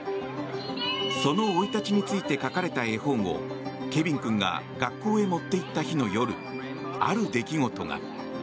その生い立ちについて描かれた絵本をケビン君が学校へ持っていった日の夜ある出来事が。